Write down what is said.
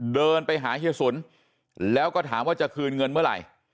เดินไปหาเฮียสุนแล้วก็ถามว่าจะคืนเงินเมื่อไหร่